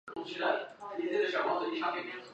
斜带圆沫蝉为尖胸沫蝉科圆沫蝉属下的一个种。